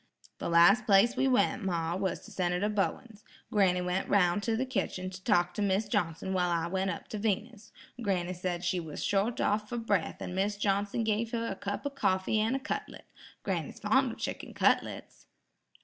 "The last place we went, ma, was to Senator Bowens. Granny went roun' to the kitchen to talk to Mis' Johnson while I went up to Venus. Granny said she was short off for breath and Mis' Johnson gave her a cup of coffee and a cutlet. Granny's fond of chicken cutlets."